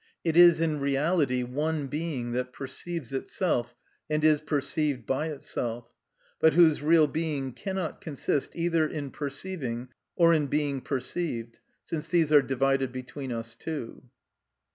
It is in reality one being that perceives itself and is perceived by itself, but whose real being cannot consist either in perceiving or in being perceived, since these are divided between us two.